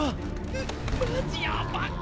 うっマジやばっ！